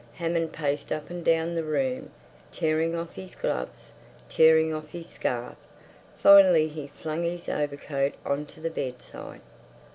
Hammond paced up and down the room, tearing off his gloves, tearing off his scarf. Finally he flung his overcoat on to the bedside.